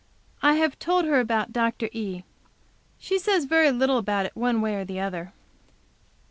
I have told her about Dr. E. She says very little about it one way or the other.